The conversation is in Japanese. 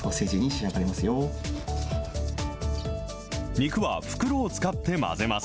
肉は袋を使って混ぜます。